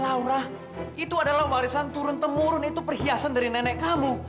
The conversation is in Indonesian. laura itu adalah warisan turun temurun itu perhiasan dari nenek kamu